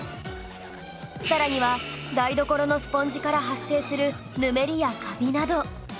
さらには台所のスポンジから発生するぬめりやカビなど